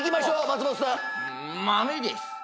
松本さん」「豆です」